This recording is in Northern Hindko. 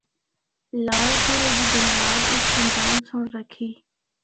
لال قلعے دی بنیاد اس خاندان سنڑ رکھی۔